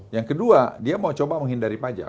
yang kedua dia mau coba menghindari pajak